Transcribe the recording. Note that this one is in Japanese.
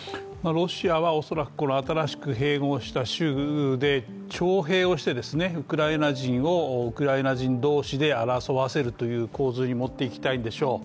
ロシアは恐らく新しく併合した州で徴兵をしてウクライナ人をウクライナ人同士で争わせるという構図に持っていきたいんでしょう。